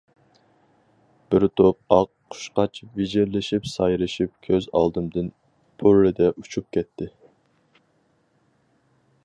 بىر توپ ئاق قۇشقاچ ۋىچىرلىشىپ سايرىشىپ كۆز ئالدىمدىن پۇررىدە ئۇچۇپ كەتتى.